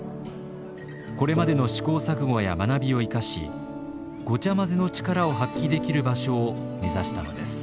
これまでの試行錯誤や学びを生かし「ごちゃまぜ」の力を発揮できる場所を目指したのです。